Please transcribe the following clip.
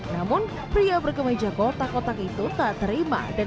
namun pria berkemeja kotak kotak itu tak terima